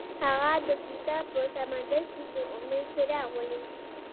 هغه د کتاب په سمندر کې د امید څراغ ولید.